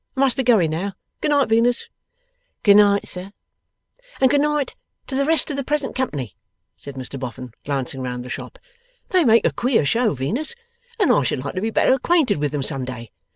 I must be going now. Good night, Venus.' 'Good night, sir.' 'And good night to the rest of the present company,' said Mr Boffin, glancing round the shop. 'They make a queer show, Venus, and I should like to be better acquainted with them some day.